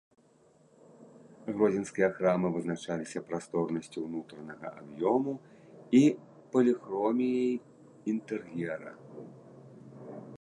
Гродзенскія храмы вызначаліся прасторнасцю ўнутранага аб'ёму і паліхроміяй інтэр'ера.